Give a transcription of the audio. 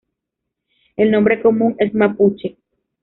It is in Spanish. El nombre común es mapuche.